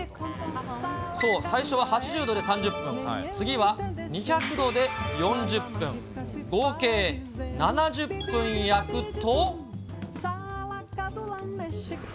そう、最初は８０度で３０分、次は２００度で４０分、合計７０分焼くと。